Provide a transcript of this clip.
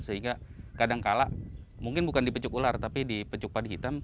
sehingga kadangkala mungkin bukan di pecuk ular tapi di pecuk padi hitam